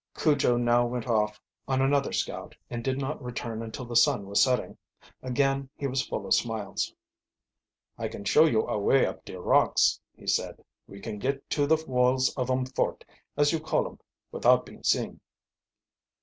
Cujo now went off on another scout and did not return until the sun was setting. Again he was full of smiles. "I can show you a way up de rocks," he said. "We can get to the walls of um fort, as you call um, without being seen."